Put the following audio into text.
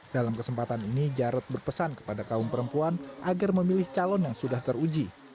dalam kesempatan ini jarod berpesan kepada kaum perempuan agar memilih calon yang sudah teruji